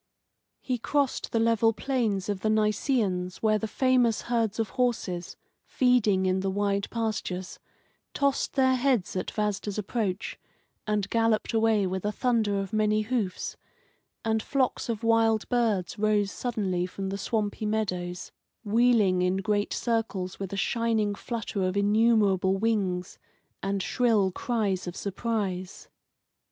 He crossed the level plains of the Nisaeans, where the famous herds of horses, feeding in the wide pastures, tossed their heads at Vasda's approach, and galloped away with a thunder of many hoofs, and flocks of wild birds rose suddenly from the swampy meadows, wheeling in great circles with a shining flutter of innumerable wings and shrill cries of surprise.